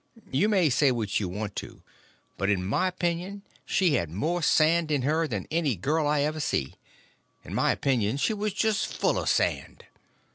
You may say what you want to, but in my opinion she had more sand in her than any girl I ever see; in my opinion she was just full of sand.